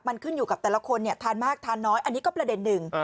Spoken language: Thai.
มันขึ้นอยู่กับแต่ละคนทานมากทานน้อยอันนี้ก็ประเด็นหนึ่ง